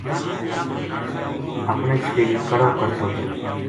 اپنے چھپیری کڑو کرتو گیو